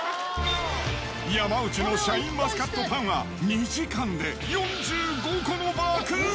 山内のシャインマスカットパンは２時間で４５個も爆売れ！